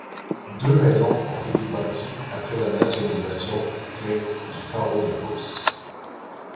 Deux maisons ont été bâties après la Nationalisation près du carreau de fosse.